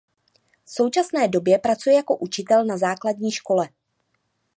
V současné době pracuje jako učitel na základní škole.